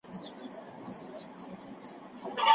استاد پوښتنه کړې وه چي هغه څه کار کاوه.